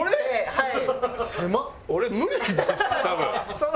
はい。